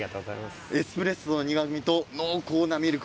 エスプレッソの苦みと濃厚なミルク